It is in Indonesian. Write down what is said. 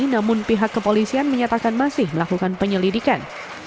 namun pihak kepolisian menyatakan masih melakukan penyelidikan